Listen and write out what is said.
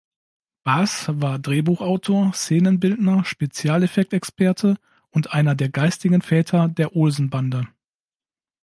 Bahs war Drehbuchautor, Szenenbildner, Spezialeffekt-Experte und einer der geistigen Väter der "Olsenbande".